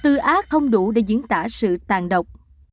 từ ác không đủ để diễn tả sự tàn độc